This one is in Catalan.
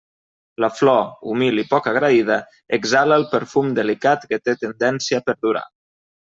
La flor, humil i poc agraïda, exhala el perfum delicat que té tendència a perdurar.